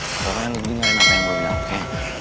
kalo kalian lebih dengerin apa yang gue bilang oke